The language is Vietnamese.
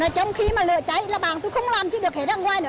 trong khi mà lửa cháy là bàn tôi không làm chứ được hết ra ngoài nữa